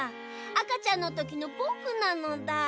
あかちゃんのときのぼくなのだ。